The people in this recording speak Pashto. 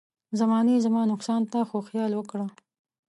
زمانې زما نقصان ته خو خيال وکړه.